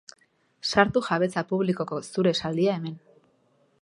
Sartu jabetza publikoko zure esaldia hemen.